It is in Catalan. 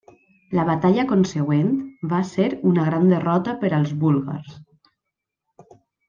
La batalla consegüent va ser una gran derrota per als búlgars.